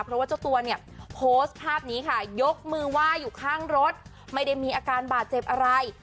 เพราะว่าเจ้าตัวเนี่ยโพสต์ภาพนี้ค่ะยกมือไหว้อยู่ข้างรถไม่ได้มีอาการบาดเจ็บอะไร